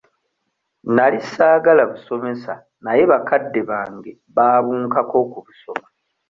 Nali saagala busomesa naye bakadde bange baabunkaka okubusoma.